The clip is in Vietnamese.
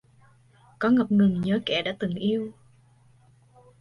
Có ngập ngừng nhớ kẻ đã từng yêu?